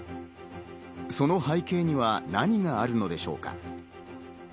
その背景には何があるのでしょうか？